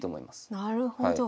なるほど。